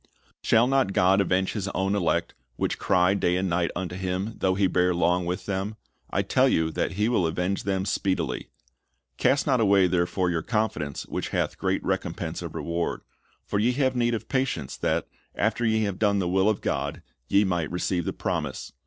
"Shall not God avenge His own elect, which cry da} and night unto Him, though He bear long with them ? I tell you that He will avenge them speedily." "Cast not away therefore your confidence, which hath great rec&mpense of reward. For ye have need of patience, that, after ye have done the will of God, ye might receive the promise.